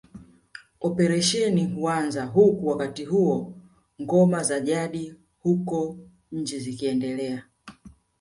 Operesheni huanza huku wakati huo ngoma za jadi huko nje ziiendelea